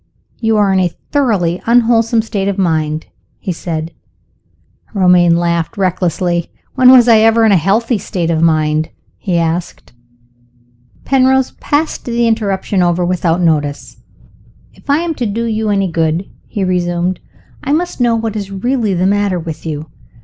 "You are in a thoroughly unwholesome state of mind," he said. Romayne laughed recklessly. "When was I ever in a healthy state of mind?" he asked. Penrose passed the interruption over without notice. "If I am to do you any good," he resumed, "I must know what is really the matter with you.